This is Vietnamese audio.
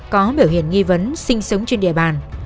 có biểu hiện nghi vấn sinh sống trên địa bàn